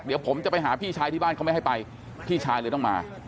เดี๋ยวผมจะไปหาพี่ชายที่บ้านเขาไม่ให้ไปพี่ชายเลยต้องมา